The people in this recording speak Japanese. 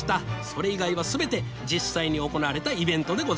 それ以外は全て実際に行われたイベントでございます。